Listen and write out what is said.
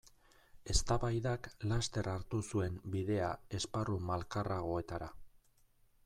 Eztabaidak laster hartu zuen bidea esparru malkarragoetara.